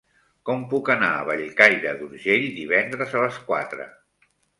Com puc anar a Bellcaire d'Urgell divendres a les quatre?